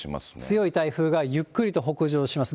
強い台風がゆっくりと北上します。